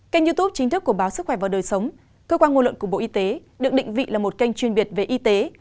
kênh youtube chính thức của báo sức khỏe và đời sống cơ quan ngôn luận của bộ y tế được định vị là một kênh chuyên biệt về y tế